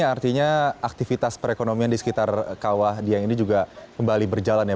artinya aktivitas perekonomian di sekitar kawah dieng ini juga kembali berjalan ya